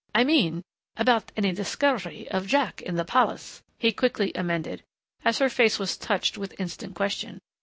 "I mean, about any discovery of Jack in the palace," he quickly amended as her face was touched with instant question.